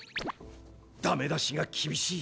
だめ出しがきびしい。